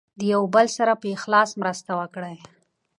د یو بل سره په اخلاص مرسته وکړئ.